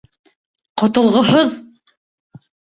Ҡотолғоһоҙ!